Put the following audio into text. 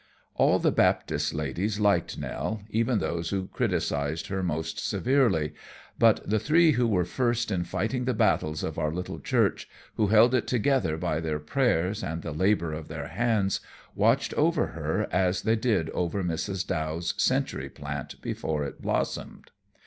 All the Baptist ladies liked Nell, even those who criticized her most severely, but the three who were first in fighting the battles of our little church, who held it together by their prayers and the labor of their hands, watched over her as they did over Mrs. Dow's century plant before it blossomed.